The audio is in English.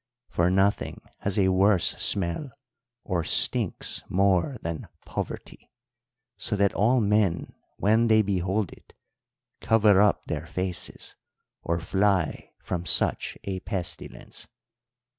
For nothing has a worse smell, or stinks more, than poverty, so that all men when they behold it cover up their faces or fly from such a pestilence.'